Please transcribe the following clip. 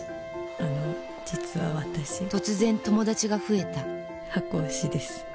あの実は私突然友達が増えた箱推しです。